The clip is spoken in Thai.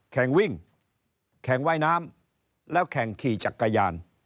แข่งวิ่งแข่งว่ายน้ำแล้วแข่งขี่จักรยาน